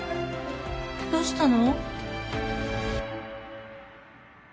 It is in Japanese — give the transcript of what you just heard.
・どうしたの？